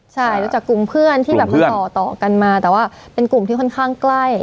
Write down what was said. ใช่รู้จักกลุ่มเพื่อนที่แบบต่อกันมาแต่ว่าเป็นกลุ่มที่ค่อนข้างใกล้